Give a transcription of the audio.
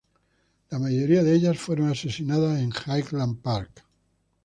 La mayoría de ellas fueron asesinadas en Highland Park.